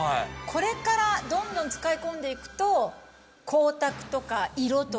これからどんどん使い込んで行くと。